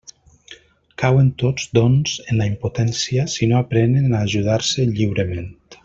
Cauen tots, doncs, en la impotència si no aprenen a ajudar-se lliurement.